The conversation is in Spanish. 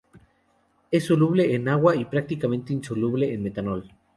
Es soluble en agua y prácticamente insoluble en metanol.